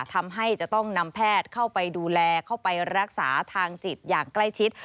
ทำให้จะต้องนำแพทย์เข้าไปดูแลเข้าไปรักษาทางจิตอย่างใกล้ชิด